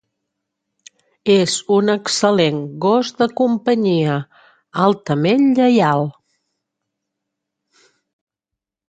És un excel·lent gos de companyia, altament lleial.